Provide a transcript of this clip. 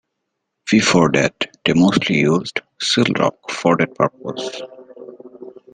Before that they mostly used Seal Rock for that purpose.